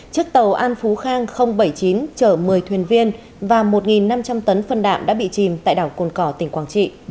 chiếc tàu an phú khang bảy mươi chín chở một mươi thuyền viên và một năm trăm linh tấn phân đạm đã bị chìm tại đảo cồn cỏ tỉnh quảng trị